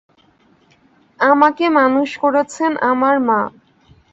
আমাকে মানুষ করেছেন আমার মা।